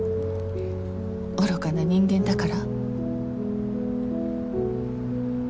愚かな人間だから？